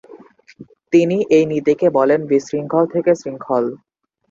তিনি এই নীতিকে বলেন "বিশৃঙ্খল থেকে শৃঙ্খল"।